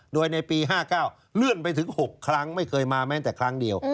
โดยในปี๕๙เลื่อนไปถึง๖ครั้งไม่เคยมาแม้แต่ครั้งเดียว